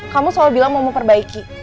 kamu selalu bilang mau memperbaiki